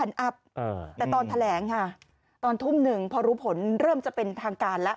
แต่ตอนแถลงค่ะตอนทุ่มหนึ่งพอรู้ผลเริ่มจะเป็นทางการแล้ว